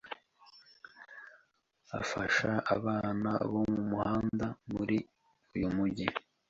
afasha abana bo mu muhanda muri uyu mujyi.